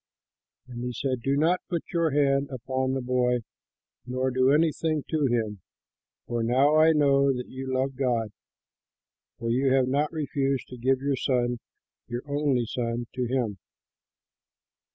And he said, "Do not put your hand upon the boy, nor do anything to him, for now I know that you love God, for you have not refused to give your son, your only son, to him."